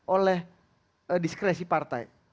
oleh diskresi partai